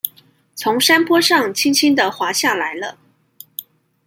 從山坡上輕輕的滑下來了